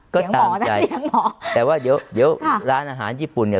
ก็ตกใจแต่ว่าเดี๋ยวเดี๋ยวร้านอาหารญี่ปุ่นเนี่ย